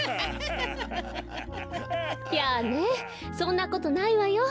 やあねそんなことないわよ。